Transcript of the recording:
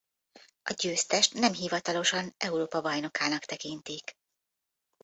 A győztest nem hivatalosan Európa bajnokának tekintik.